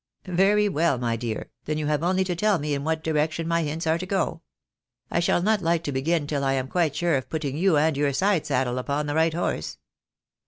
" Very well, my dear, then you have only to tell me in what direction my hints are to go. I shall not like to begin till I am quite sure of putting you and your side saddle upon the right horse.